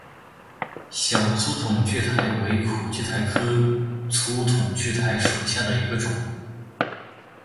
小粗筒苣苔为苦苣苔科粗筒苣苔属下的一个种。